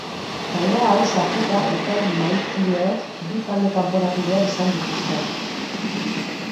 Talde hau sartuta, epaimahaikideek bi talde kanporatu behar izan dituzte.